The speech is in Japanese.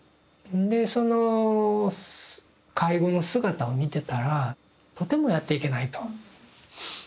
でその介護の姿を見てたらとてもやっていけないと。